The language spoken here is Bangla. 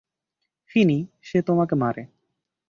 ফিনি, সে তোমাকে মারে।